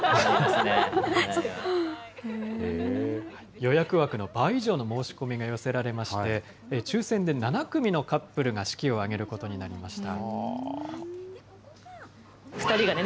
予約枠の倍以上の申し込みが寄せられまして、抽せんで７組のカップルが式を挙げることになりました。